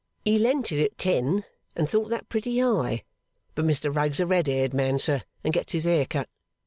He lent it at ten, and thought that pretty high. But Mr Rugg's a red haired man, sir, and gets his hair cut.